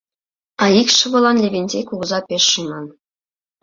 А икшывылан Левентей кугыза пеш шӱман...